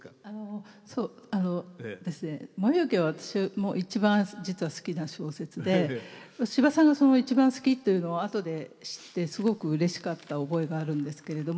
あのですね「燃えよ剣」は私も一番実は好きな小説で司馬さんが一番好きというのを後で知ってすごくうれしかった覚えがあるんですけれども。